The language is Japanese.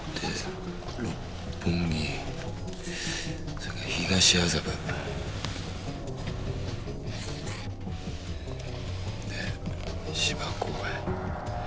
それから東麻布で芝公園。